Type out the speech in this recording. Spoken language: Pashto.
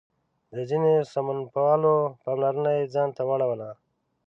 د ځینو سمونپالو پاملرنه یې ځان ته راواړوله.